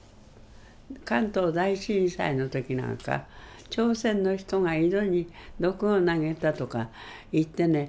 関東大震災の時なんか「朝鮮の人が井戸に毒を投げた」とか言ってね